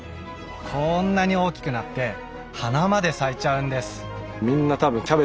こんなに大きくなって花まで咲いちゃうんです。